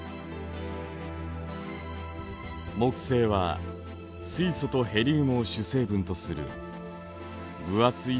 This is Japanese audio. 木星は水素とヘリウムを主成分とする分厚い